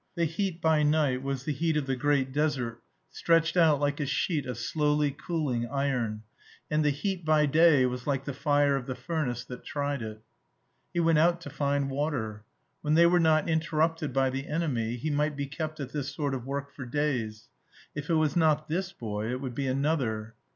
The heat by night was the heat of the great desert, stretched out like a sheet of slowly cooling iron; and the heat by day was like the fire of the furnace that tried it. He went out to find water. When they were not interrupted by the enemy, he might be kept at this sort of work for days; if it was not this boy it would be another.